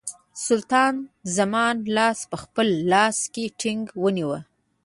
سلطان زما لاس په خپل لاس کې ټینګ ونیوی.